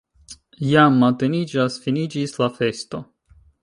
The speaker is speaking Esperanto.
Jam mateniĝas, finiĝis la festo!